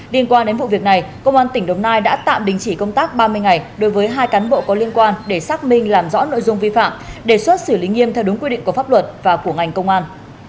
liên quan đến vụ việc này công an tỉnh đồng nai đã tạm đình chỉ công tác ba mươi ngày đối với hai cán bộ có liên quan để xác minh làm rõ nội dung vi phạm đề xuất xử lý nghiêm theo đúng quy định của pháp luật và của ngành công an